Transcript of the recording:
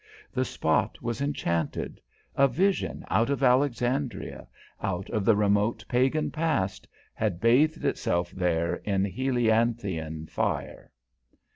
The spot was enchanted; a vision out of Alexandria, out of the remote pagan past, had bathed itself there in Helianthine fire.